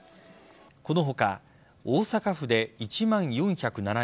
この他、大阪府で１万４０７人